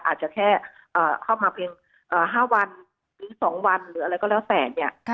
อาจจะแค่เข้ามาเพียง๕วันหรือ๒วันหรืออะไรก็แล้วแต่เนี่ย